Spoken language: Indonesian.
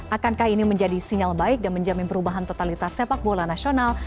akankah ini menjadi sinyal baik dan menjamin perubahan totalitas sepak bola nasional